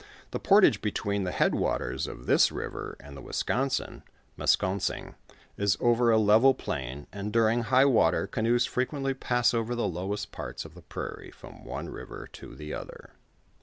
The portage between the head waters of this river and the Wisconsin (Meskonsing), is over a level plain, and during high water, canoes frequently pass over the lowest parts of the prairie from one river to the other.